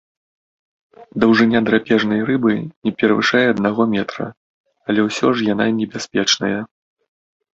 Даўжыня драпежнай рыбы не перавышае аднаго метра, але ўсё ж яна небяспечная.